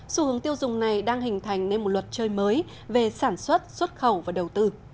xu hướng tiêu dùng này đang hình thành nên một luật chơi mới về sản xuất xuất khẩu và đầu tư